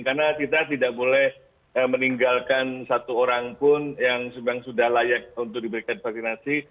karena kita tidak boleh meninggalkan satu orang pun yang sebenarnya sudah layak untuk diberikan vaksinasi